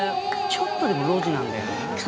ちょっとでも路地なんだよなあ。